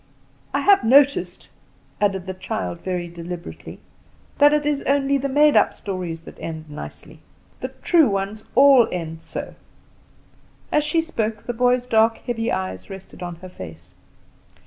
I have noticed," added the child very deliberately, "that it is only the made up stories that end nicely; the true ones all end so." As she spoke the boy's dark, heavy eyes rested on her face.